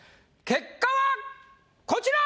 結果はこちら！